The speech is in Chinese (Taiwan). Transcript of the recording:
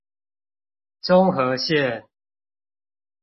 中和線